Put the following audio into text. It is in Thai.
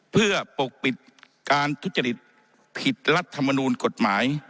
เพื่อปกปิดการทุจริตผิดรัฐมนูลกฎหมาย